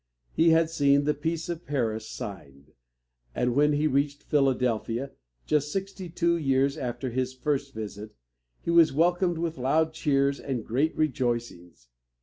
He had seen the Peace of Paris signed; and when he reached Philadelphia, just sixty two years after his first visit, he was welcomed with loud cheers and great rejoicings.